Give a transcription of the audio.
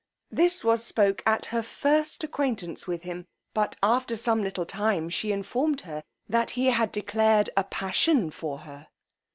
This was spoke at her first acquaintance with him; but after some little time she informed her, that he had declared a passion for her.